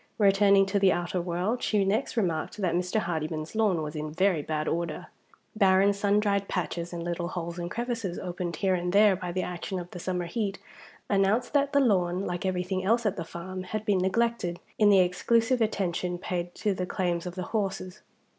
Returning to the outer world, she next remarked that Mr. Hardyman's lawn was in very bad order. Barren sun dried patches, and little holes and crevices opened here and there by the action of the summer heat, announced that the lawn, like everything else at the farm, had been neglected, in the exclusive attention paid to the claims of the horses.